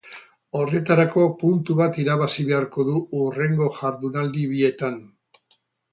Horretarako puntu bat irabazi beharko du hurrengo jardunaldi bietan.